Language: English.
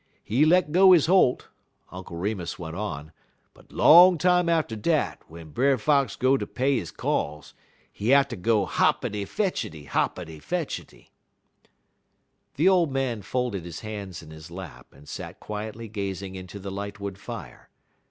He let go he holt," Uncle Remus went on, "but long time atter dat, w'en Brer Fox go ter pay he calls, he hatter go hoppity fetchity, hoppity fetchity." The old man folded his hands in his lap, and sat quietly gazing into the lightwood fire.